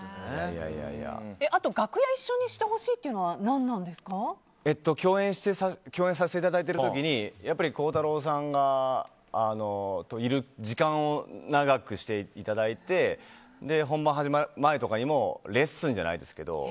楽屋を一緒にしてほしいっていうのは共演させていただいている時にやっぱり鋼太郎さんといる時間を長くしていただいて本番始まる前とかにもレッスンじゃないですけど。